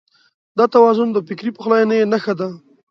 دا توازن د فکري پخلاينې نښه ده.